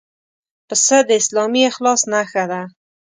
پسه د اسلامي اخلاص نښه ده.